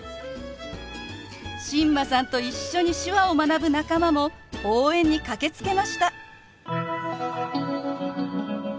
新間さんと一緒に手話を学ぶ仲間も応援に駆けつけました。